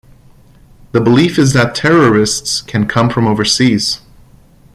The belief is that terrorists can come from overseas.